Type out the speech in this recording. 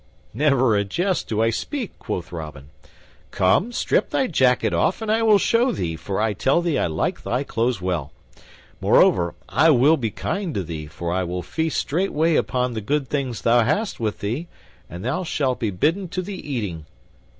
"Never a jest do I speak," quoth Robin. "Come, strip thy jacket off and I will show thee, for I tell thee I like thy clothes well. Moreover, I will be kind to thee, for I will feast straightway upon the good things thou hast with thee, and thou shalt be bidden to the eating."